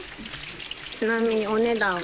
ちなみにお値段は？